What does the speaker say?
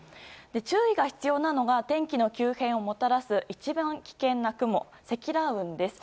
注意が必要なのが天気の急変をもたらす一番危険な雲、積乱雲です。